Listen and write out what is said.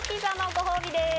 ご褒美です。